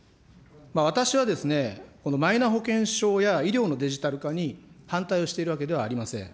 私は、このマイナ保険証や医療のデジタル化に反対をしているわけではありません。